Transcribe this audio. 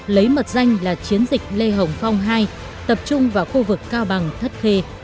lấy mật danh là chiến dịch lê hồng phong hai tập trung vào khu vực cao bằng thất khê